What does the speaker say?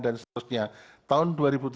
dan seterusnya tahun dua ribu delapan belas